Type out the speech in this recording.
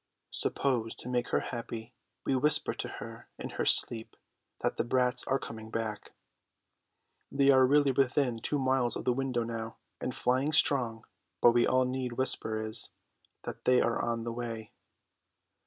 Suppose, to make her happy, we whisper to her in her sleep that the brats are coming back. They are really within two miles of the window now, and flying strong, but all we need whisper is that they are on the way.